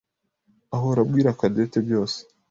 ahora abwira Cadette byose.